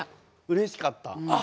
うれしかった。